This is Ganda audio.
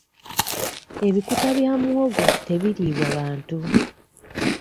Ebikuta bya muwogo tebiriibwa bantu.